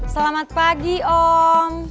selamat pagi om